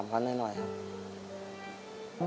๓๐๐๐บาทหน่อยครับ